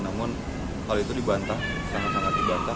namun hal itu dibantah sangat sangat dibantah